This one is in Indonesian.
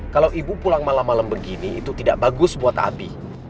kalau ibu pulang malam malam begini itu tidak bagus buat api